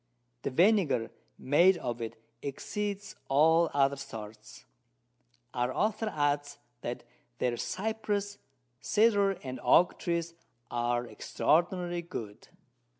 The Vinegar made of it exceeds all other sorts. Our Author adds, that their Cypress, Cedar and Oak Trees are extraordinary good.